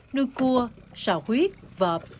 nuôi cua sò huyết vợp